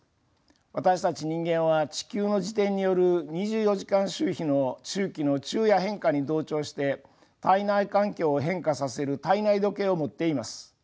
私たち人間は地球の自転による２４時間周期の昼夜変化に同調して体内環境を変化させる体内時計を持っています。